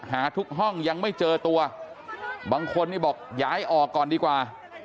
หาทุกห้องยังไม่เจอตัวบางคนนี่บอกย้ายออกก่อนดีกว่า